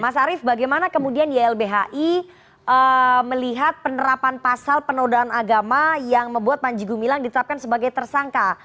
mas arief bagaimana kemudian ylbhi melihat penerapan pasal penodaan agama yang membuat panji gumilang ditetapkan sebagai tersangka